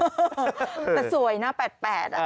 แต่สวยนะ๘๘น่ะ